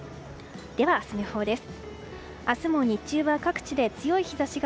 では明日の予報です。